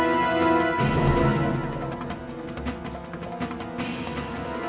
kau ingat sangat percaya padaku bukan